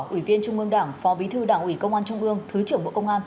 ủy viên trung ương đảng phó bí thư đảng ủy công an trung ương thứ trưởng bộ công an